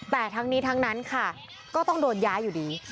แต่ทั้งนี้ทั้งนั้นค่ะก็ต้องโดนย้ายอยู่ดี